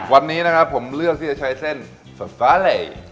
วันนี้นะครับผมเลือกที่จะใช้เส้นเฟอร์ฟาเรย์